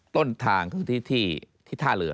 ต้นทางคือที่ท่าเรือ